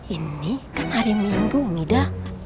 ini kan hari minggu mida